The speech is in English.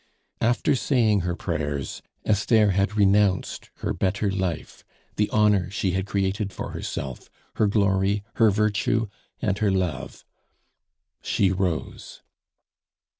After saying her prayers, Esther had renounced her better life, the honor she had created for herself, her glory, her virtue, and her love. She rose.